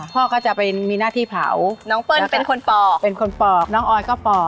พ่อก็จะไปมีหน้าที่เผาน้องเปิ้ลเป็นคนปอกเป็นคนปอกน้องออยก็ปอก